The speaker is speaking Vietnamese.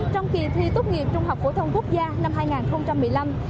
trong kỳ thi tốt nghiệp trung học phổ thông quốc gia năm hai nghìn một mươi năm